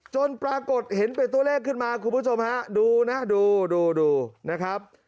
จนปรากฏเห็นเป็นตัวเลขขึ้นมาคุณผู้ชมฮะดูนะดูดูดูนะครับ